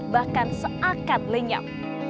bahkan seakan lenyap